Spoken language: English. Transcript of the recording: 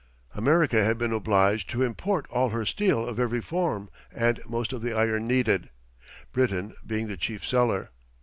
America had been obliged to import all her steel of every form and most of the iron needed, Britain being the chief seller.